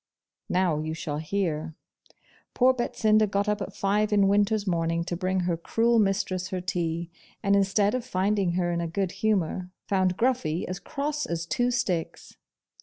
Now, you shall hear. Poor Betsinda got up at five in winter's morning to bring her cruel mistress her tea; and instead of finding her in a good humour, found Gruffy as cross as two sticks.